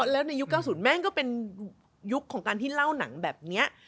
แล้วในยุค๙๐แม่งก็เป็นยุคของการที่เล่าหนังแบบนี้